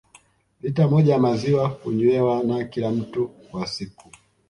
Lita moja ya maziwa hunywewa na kila mtu kwa siku